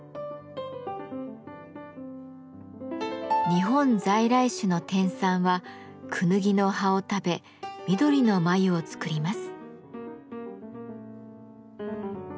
日本在来種の天蚕はクヌギの葉を食べ緑の繭を作ります。